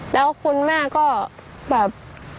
แล้วคุณแม่ก็แบบ